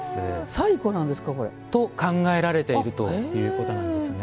最古なんですか？と考えられているということなんですね。